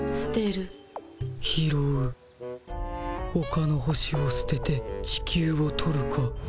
ほかの星をすてて地球を取るか。